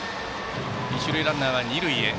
一塁ランナーは二塁へ。